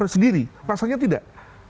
sendiri rasanya tidak